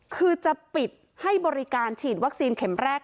คือจะปิดให้บริการฉีดวัคซีนเข็มแรก